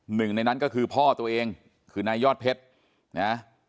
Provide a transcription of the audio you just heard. หนึ่งในนั้นก็คือพ่อตัวเองคือนายยอดเพชรนะ